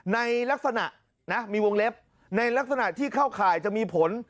ในลักษณะนะมีวงเล็บในลักษณะที่เข้าข่ายจะมีผล